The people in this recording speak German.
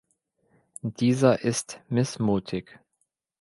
Dieser ist missmutig.